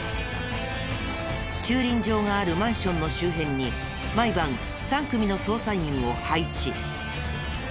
駐輪場があるマンションの周辺に毎晩３組の捜査員を配置。